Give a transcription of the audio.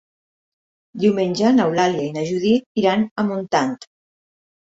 Diumenge n'Eulàlia i na Judit iran a Montant.